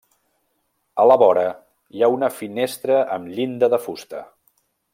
A la vora, hi ha una finestra amb llinda de fusta.